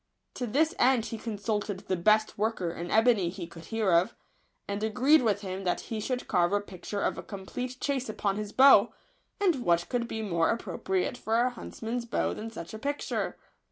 To this end he consulted the best worker in ebony he could hear of, and agreed with him that he should carve a picture of a complete chase upon his bow; and what could be more appropriate for a huntsman's bow than such a picture